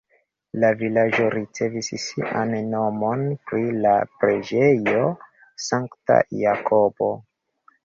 La vilaĝo ricevis sian nomon pri la preĝejo Sankta Jakobo.